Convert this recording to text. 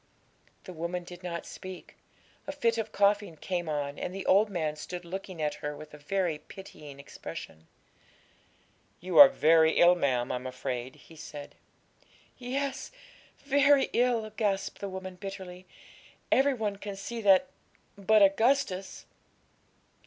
The woman did not speak; a fit of coughing came on, and the old man stood looking at her with a very pitying expression. 'You are very ill, ma'am, I'm afraid,' he said. 'Yes, very ill,' gasped the woman bitterly; 'every one can see that but Augustus!'